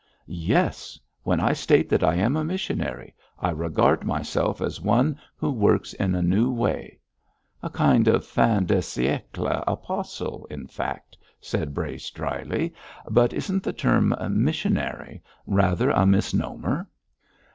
'Yes! When I state that I am a missionary, I regard myself as one who works in a new way.' 'A kind of fin de siècle apostle, in fact,' said Brace, dryly. 'But isn't the term "missionary" rather a misnomer?'